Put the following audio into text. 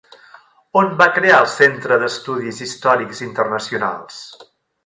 On va crear el Centre d'Estudis Històrics Internacionals?